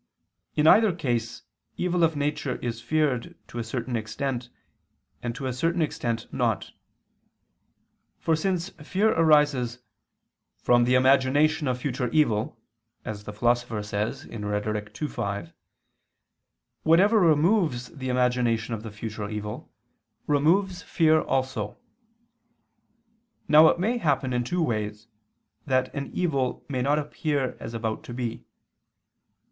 In either case evil of nature is feared to a certain extent, and to a certain extent not. For since fear arises "from the imagination of future evil," as the Philosopher says (Rhet. ii, 5), whatever removes the imagination of the future evil, removes fear also. Now it may happen in two ways that an evil may not appear as about to be.